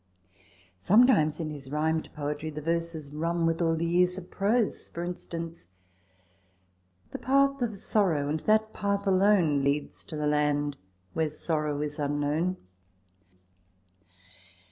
Sometimes in his rhymed poetry the verses run with all the ease of prose ; for instance : The path of sorrow, and that path alone, Leads to the land where sorrow is unknown.!